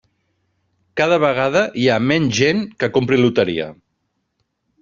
Cada vegada hi ha menys gent que compri loteria.